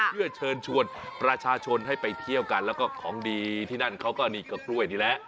เพื่อเชิญชวนประชาชนให้ไปเที่ยวกันแล้วก็ของดีที่นั่นเขาก็นี่ก็กล้วยนี่แหละ